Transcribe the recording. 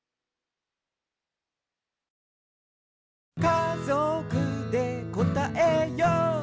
「かぞくでこたえよう」